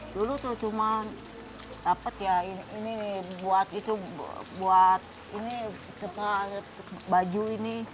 dulu tuh cuma dapat ya ini buat itu buat ini baju ini